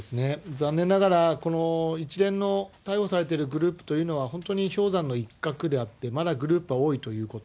残念ながらこの一連の逮捕されているグループというのは、本当に氷山の一角であって、まだグループは多いということ。